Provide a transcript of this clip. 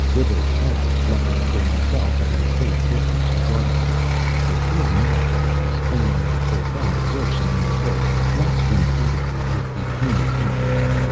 Whibble sat, luckily for himself, at a safe distance, regarding him. The four malefactors, feigning a profound absorption in their work, watched him furtively with the keenest interest.